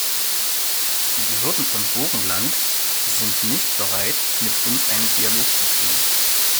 Die Behörden von Burgenland sind nicht bereit, mit uns einen Dialog zu führen.